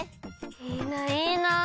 いいないいな。